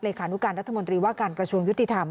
เหลคานุการณ์รัฐมนตรีว่าการกระชวนยุติธรรม